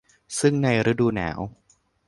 ซึ่งในฤดูหนาว